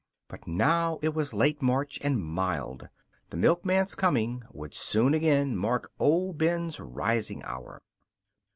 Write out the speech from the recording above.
But now it was late March, and mild. The milkman's coming would soon again mark old Ben's rising hour.